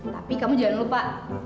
tapi kamu jangan lupa